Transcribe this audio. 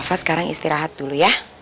eva sekarang istirahat dulu ya